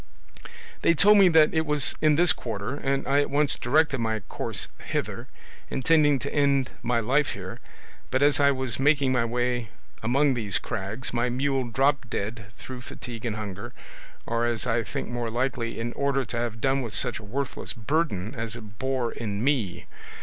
They told me that it was in this quarter, and I at once directed my course hither, intending to end my life here; but as I was making my way among these crags, my mule dropped dead through fatigue and hunger, or, as I think more likely, in order to have done with such a worthless burden as it bore in me.